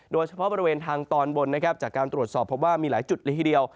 โดยเฉพาะบริเวณทางตอนบนนะครับจากการตรวจสอบพบว่ามีหลายจุดเลยทีเดียว